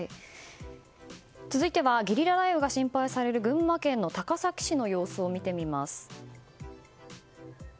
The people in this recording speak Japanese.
続いてゲリラ雷雨が心配される群馬県高崎市の様子です。